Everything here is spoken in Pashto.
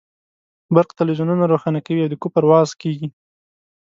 برق تلویزیونونه روښانه کوي او د کفر وعظ کېږي.